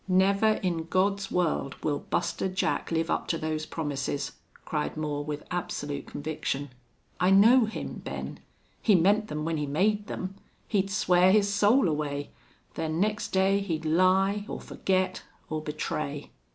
"Never in God's world will Buster Jack live up to those promises!" cried Moore, with absolute conviction. "I know him, Ben. He meant them when he made them. He'd swear his soul away then next day he'd lie or forget or betray."